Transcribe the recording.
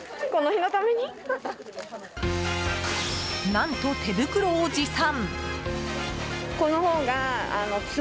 何と、手袋を持参。